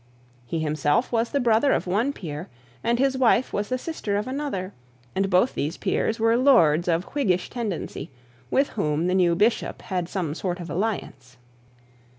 He himself was the brother of one peer, and his wife was the sister of another and both these peers were lords of whiggish tendency, with whom the new bishop had some sort of alliance.